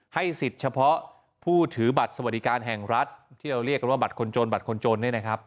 สิทธิ์เฉพาะผู้ถือบัตรสวัสดิการแห่งรัฐที่เราเรียกกันว่าบัตรคนจนบัตรคนจนเนี่ยนะครับ